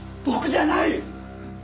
僕じゃない！